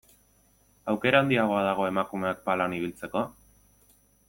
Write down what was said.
Aukera handiagoa dago emakumeak palan ibiltzeko?